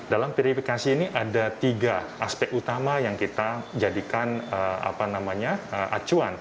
dalam verifikasi ini ada tiga aspek utama yang kita jadikan acuan